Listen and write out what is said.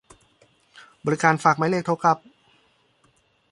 บริการฝากหมายเลขโทรกลับ